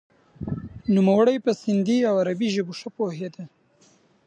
نوموړی په سندهي او عربي ژبو ښه پوهیده.